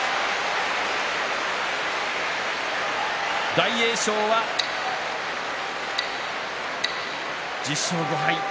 大栄翔は１０勝５敗。